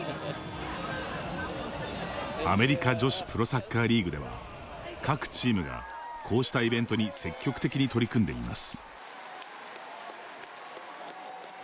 アメリカ女子プロサッカーリーグでは各チームがこうしたイベントに積極的に取り組んでいます。